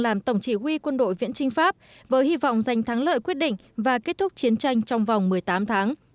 làm tổng chỉ huy quân đội viễn trinh pháp với hy vọng giành thắng lợi quyết định và kết thúc chiến tranh trong vòng một mươi tám tháng